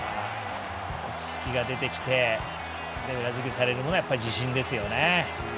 落ち着きが出てきて裏づけされる、自信ですよね。